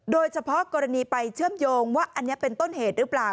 โดยเฉพาะกรณีไปเชื่อมโยงว่าอันนี้เป็นต้นเหตุหรือเปล่า